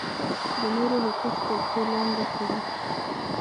د نورو حقوق تر پښو لاندې کړي.